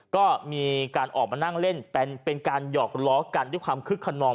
ก็มีการออกมานั่งเล่นเป็นการหยอกล้อกันด้วยความคึกขนอง